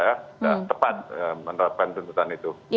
sudah tepat menerapkan tuntutan itu